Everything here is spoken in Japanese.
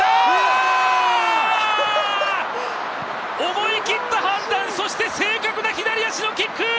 思い切った判断、そして正確な左足のキック！